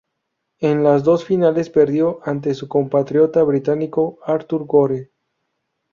En las dos finales perdió ante su compatriota británico Arthur Gore.